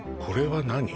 これは何？